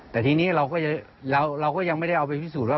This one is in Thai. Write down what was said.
แต่ทีนี้เราก็ยังไม่ได้เอาไปพิสูจนว่า